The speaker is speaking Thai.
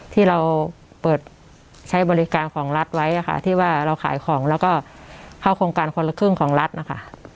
ที่เราเปิดใช้บริการของรัฐไว้ค่ะที่ว่าเราขายของแล้วก็เข้าโครงการคนละครึ่งของรัฐนะคะ